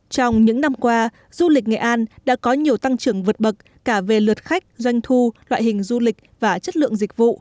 trong những năm qua du lịch nghệ an đã có nhiều tăng trưởng vượt bậc cả về lượt khách doanh thu loại hình du lịch và chất lượng dịch vụ